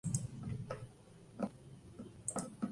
Quiero competencia con Eminem.